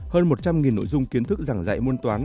hơn một trăm linh nội dung kiến thức giảng dạy môn toán